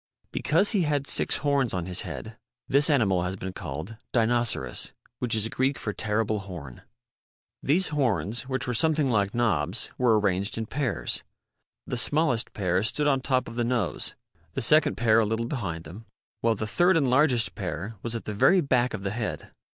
Because he had six horns on his head this animal has been called Dinoceras .which is Greek for Terrible Horn. These horns, which were something like knobs, were arranged in pairs. The smallest pair stood on top of the nose, the second pair a little behind them, while the third and largest pair was at the very back of the head.